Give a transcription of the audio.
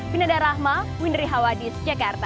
binadar rahma windri hawadit jakarta